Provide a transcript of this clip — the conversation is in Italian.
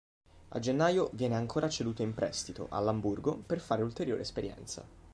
A gennaio viene ancora ceduto in prestito, all'Amburgo, per fare ulteriore esperienza.